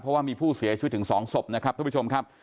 เพราะว่ามีผู้เสียชีวิตถึง๒ศพนะครับทุกผู้ชมครับ